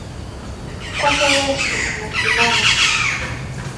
Kwake Yesu nasimama.